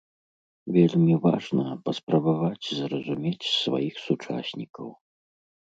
Вельмі важна паспрабаваць зразумець сваіх сучаснікаў.